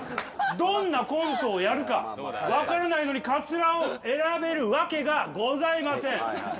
どんなコントをやるか分からないのにかつらを選べるわけがございません。